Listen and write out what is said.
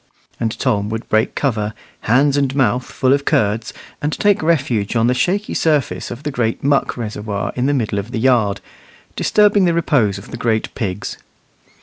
and Tom would break cover, hands and mouth full of curds, and take refuge on the shaky surface of the great muck reservoir in the middle of the yard, disturbing the repose of the great pigs.